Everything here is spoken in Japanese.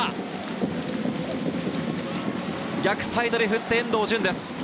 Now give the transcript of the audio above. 逆サイドに振って遠藤純です。